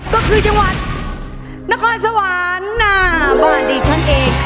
ก็คือจังหวัดนครสวรรค์น่าบ้านดีช่างเอก